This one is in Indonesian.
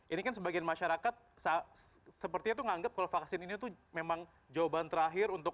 ini kan sebagian masyarakat sepertinya tuh menganggap kalau vaksin ini tuh memang jawaban terakhir untuk